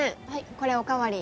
これおかわり。